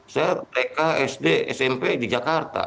saya pk sd smp di jakarta